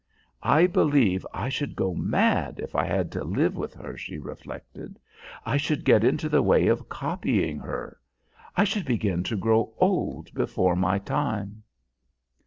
"I believe I should go mad if I had to live with her," she reflected. "I should get into the way of copying her. I should begin to grow old before my time."